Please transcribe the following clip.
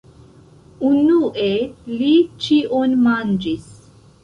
Unue, li ĉion manĝis.